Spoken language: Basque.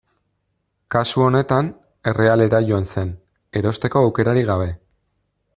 Kasu honetan, errealera joan zen, erosteko aukerarik gabe.